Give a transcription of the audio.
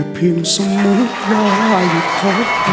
เพียงสมมุติได้ครบ